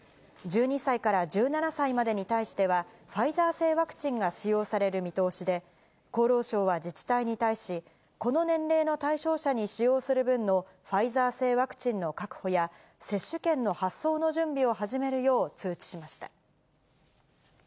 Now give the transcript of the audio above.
１２歳から１７歳までに対しては、ファイザー製ワクチンが使用される見通しで、厚労省は自治体に対し、この年齢の対象者に使用する分のファイザー製ワクチンの確保や、接種券の発送の準備を始めるよう通知しました。